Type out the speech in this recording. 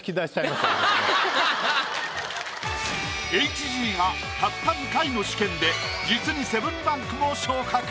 ＨＧがたった２回の試験で実に７ランクも昇格！